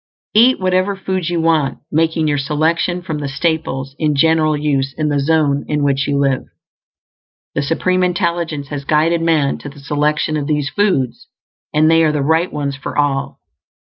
Eat whatever foods you want, making your selection from the staples in general use in the zone in which you live. The Supreme Intelligence has guided man to the selection of these foods, and they are the right ones for all.